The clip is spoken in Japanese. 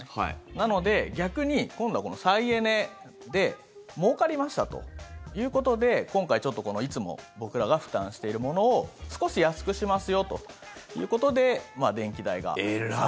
なので、逆に今度はこの再エネでもうかりましたということで今回、ちょっといつも僕らが負担しているものを少し安くしますよということで電気代が下がる。